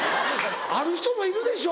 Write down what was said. ある人もいるでしょ。